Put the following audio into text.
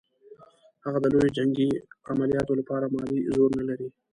هغه د لویو جنګي عملیاتو لپاره مالي زور نه لري.